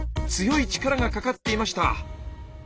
強い力がかかっていました。